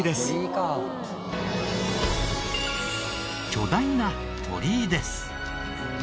巨大な鳥居です。